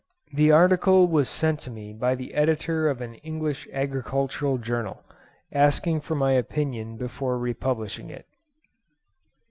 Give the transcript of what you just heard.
The article was sent to me by the editor of an English Agricultural Journal, asking for my opinion before republishing it.